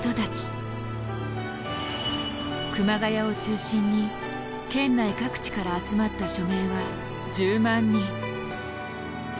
熊谷を中心に県内各地から集まった署名は１０万人。